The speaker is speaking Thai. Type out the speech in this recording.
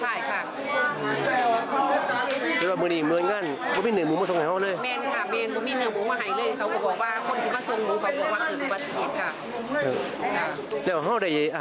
เจ้าสัญญาไปสามหมุนอันมันไหวสุดท้ายท้า